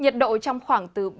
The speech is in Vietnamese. từ ba mươi năm ba mươi tám độ